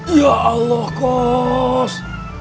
ya allah kos